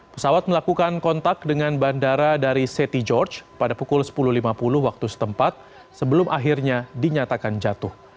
pesawat melakukan kontak dengan bandara dari setty george pada pukul sepuluh lima puluh waktu setempat sebelum akhirnya dinyatakan jatuh